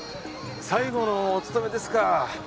最後のお勤めですか。